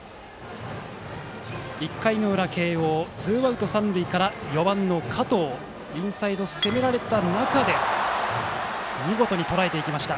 １回裏、慶応ツーアウト、三塁から４番の加藤インサイドを攻められた中で見事にとらえていきました。